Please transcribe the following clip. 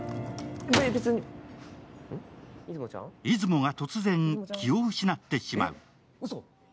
出雲が突然、気を失ってしまう。